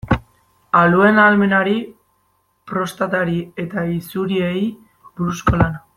Aluen ahalmenari, prostatari eta isuriei buruzko lana.